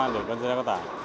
để con xe đã có tải